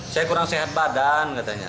saya kurang sehat badan katanya